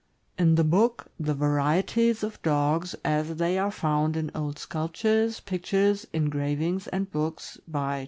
In the book, "The Varieties of Dogs, as They Are Found in Old Sculptures, Pictures, Engravings, and Books," by Th.